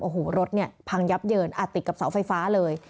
โอ้โหรถเนี่ยพังยับเยินอาจติดกับเสาไฟฟ้าเลย